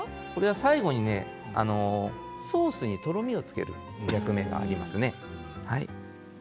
最後にソースにとろみをつける役割がありますね。